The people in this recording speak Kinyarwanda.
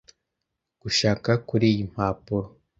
gushaka kuriyi mpapuro